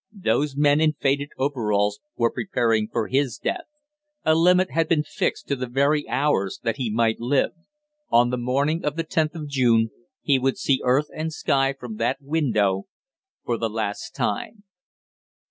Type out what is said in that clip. Those men in faded overalls were preparing for his death, a limit had been fixed to the very hours that he might live. On the morning of the tenth of June he would see earth and sky from that window for the last time!